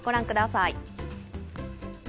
ご覧ください。